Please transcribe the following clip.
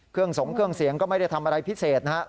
สงเครื่องเสียงก็ไม่ได้ทำอะไรพิเศษนะฮะ